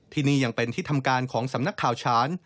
ที่นี่ยังเป็นที่ทำการของสำนักข่าวฉาน